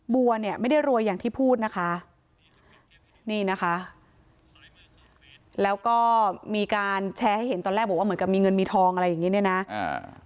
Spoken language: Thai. บัวเนี่ยไม่ได้รวยอย่างที่พูดนะคะนี่นะคะแล้วก็มีการแชร์ให้เห็นตอนแรกบอกว่าเหมือนกับมีเงินมีทองอะไรอย่างงี้เนี่ยนะอ่า